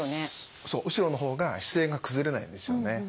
そう後ろの方が姿勢が崩れないんですよね。